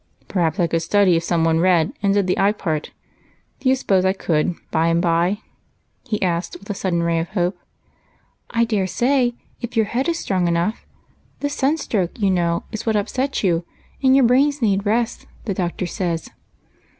PerhajDS I could study if some one read and did the eye part. Do you suppose I could, by and by ?" he asked, with a sudden ray of hope. " I dare say, if your head is strong enough. This sun stroke, you know, is what upset you, and your brains need rest, the doctor says."